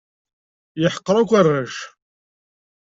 Yeḥqer akk arrac.